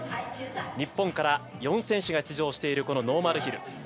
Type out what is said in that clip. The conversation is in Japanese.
日本から４選手が出場しているノーマルヒル。